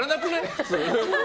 普通。